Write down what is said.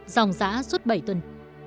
dòng giã suốt bảy tuần